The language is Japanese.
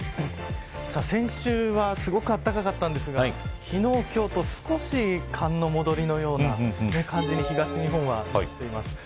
先週はすごくあったかかったんですが昨日今日と少し寒の戻りのようなそんな感じに東日本はなっています。